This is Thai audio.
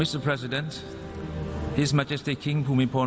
ท่านประศนาพระเจ้าพระเจ้าพูมิพรณ์